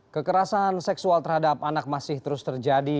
kekerasan seksual terhadap anak masih terus terjadi